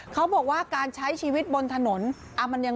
เขาบอกว่าการใช้ชีวิตบนถนน